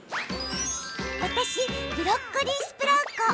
私ブロッコリースプラウ子。